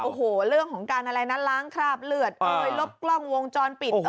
โอ้โหเรื่องของการอะไรนะล้างคราบเลือดเอ้ยลบกล้องวงจรปิด